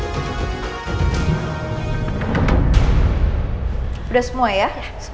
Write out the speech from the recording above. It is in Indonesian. sudah semua ya